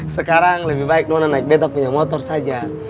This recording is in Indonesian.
sekarang lebih baik nona naik beto punya motor saja